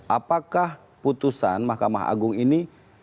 apakah putusan mahkamah agung ini